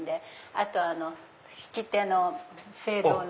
あと引き手の青銅の。